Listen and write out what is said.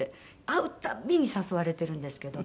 会うたびに誘われてるんですけど。